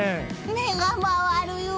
目が回るよ。